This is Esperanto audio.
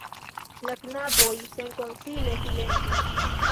La knaboj senkonsile silentis.